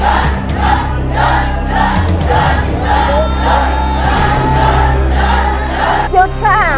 หยดครับ